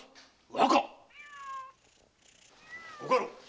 若！ご家老。